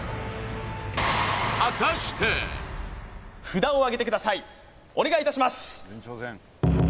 札をあげてくださいお願いいたします